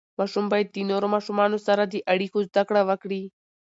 ماشوم باید د نورو ماشومانو سره د اړیکو زده کړه وکړي.